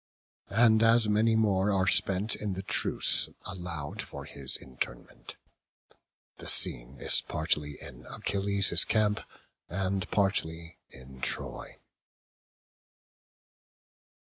And as many more are spent in the truce allowed for his interment. The scene is partly in Achilles' camp, and partly in Troy.